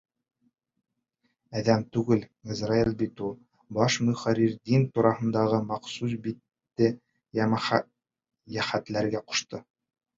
Әҙәм түгел, ғазраил бит ул. Баш мөхәррир дин тураһындағы махсус битте йәһәтләргә ҡушты.